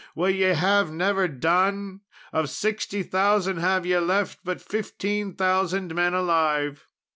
will ye have never done? Of sixty thousand have ye left but fifteen thousand men alive.